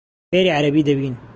فێری عەرەبی دەبین.